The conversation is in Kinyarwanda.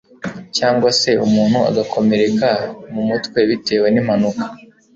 cyangwa se umuntu agakomereka mu mutwe bitewe n'impanuka,